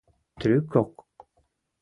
Трӱкок